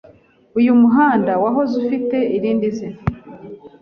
Uyu muhanda wahoze ufite irindi zina.